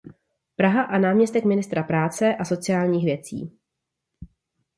Praha a náměstek ministra práce a sociálních věcí.